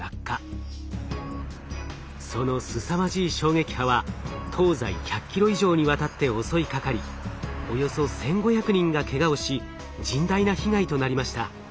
そのすさまじい衝撃波は東西１００キロ以上にわたって襲いかかりおよそ１，５００人がけがをし甚大な被害となりました。